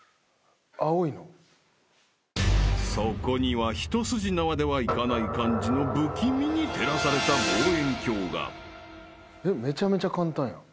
［そこには一筋縄ではいかない感じの不気味に照らされた望遠鏡が］めちゃめちゃ簡単やん。